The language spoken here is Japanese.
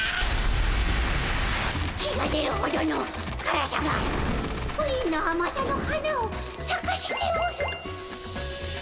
火が出るほどのからさがプリンのあまさの花をさかせておる。